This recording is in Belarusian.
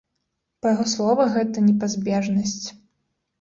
Па яго словах, гэта непазбежнасць.